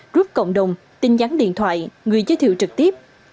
group cộng đồng tin nhắn điện thoại người giới thiệu trực tiếp